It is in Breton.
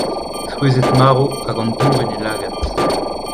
souezhet-marv hag an dour en e lagad